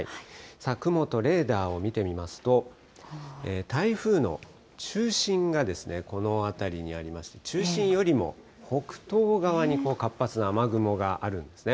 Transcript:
さあ、雲とレーダーを見てみますと、台風の中心がですね、この辺りにありまして、中心よりも、北東側に活発な雨雲があるんですね。